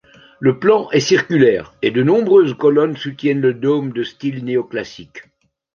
Le plan est circulaire et de nombreuses colonnes soutiennent le dôme de style néoclassique.